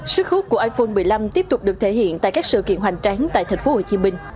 sức hút của iphone một mươi năm tiếp tục được thể hiện tại các sự kiện hoành tráng tại tp hcm